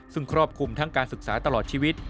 ซึ่งครอบคลุมทั้งการศึกษาตลอดชีวิต